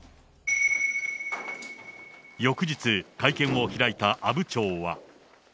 翌日、会見を開いた阿武町は。